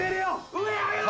上、上げろ！